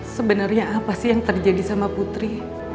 sebenarnya apa sih yang terjadi sama putri